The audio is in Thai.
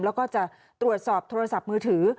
แล้วก็จะตรวจสอบโทรศัพท์มือถือ